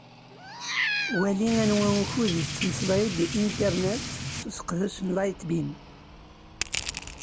Wali anwa ukud i tettmeslayeḍ di Internet s useqdec n Lightbeam.